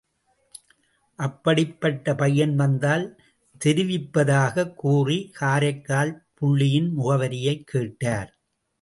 அப்படிப்பட்ட பையன் வந்தால் தெரிவிப்பதாகக் கூறி, காரைக்கால் புள்ளியின் முகவரியைக் கேட்டார்.